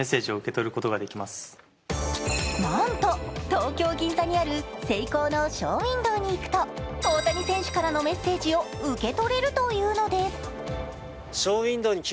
なんと東京銀座にあるＳＥＩＫＯのショーウインドーに行くと大谷選手からのメッセージを受け取れるというのです。